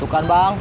tuh kan bang